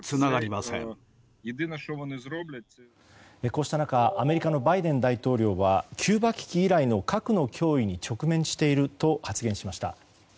こうした中アメリカのバイデン大統領はキューバ危機以来の核の脅威に直面していると発言しました。